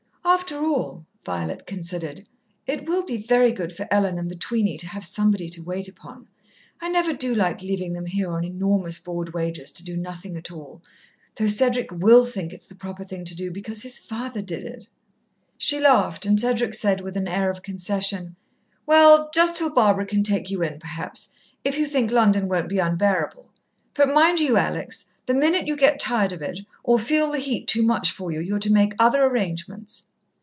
"After all," Violet considered, "it will be very good for Ellen and the tweeny to have somebody to wait upon. I never do like leaving them here on enormous board wages, to do nothing at all though Cedric will think it's the proper thing to do, because his father did it." She laughed, and Cedric said, with an air of concession: "Well, just till Barbara can take you in, perhaps if you think London won't be unbearable. But mind you, Alex, the minute you get tired of it, or feel the heat too much for you, you're to make other arrangements."